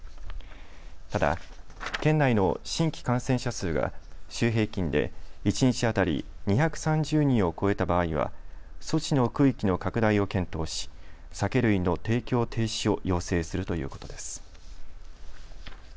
ただ、県内の新規感染者数が週平均で一日当たり２３０人を超えた場合は措置の区域の拡大を検討し酒類の提供停止を要請するということです。